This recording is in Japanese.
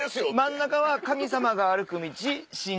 真ん中は神様が歩く道神道。